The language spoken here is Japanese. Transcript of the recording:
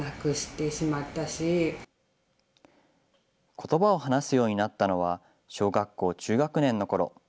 ことばを話すようになったのは、小学校中学年のころ。